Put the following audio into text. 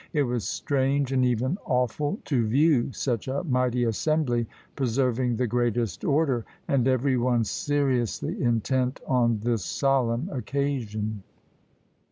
It was strange, and even awful, to view such a mighty assembly preserving the greatest order, and every one seriously intent on this solemn occasion.